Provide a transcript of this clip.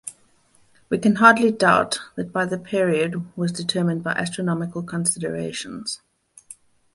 We can hardly doubt that the period was determined by astronomical considerations.